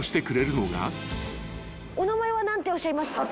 お名前は何ておっしゃいますか？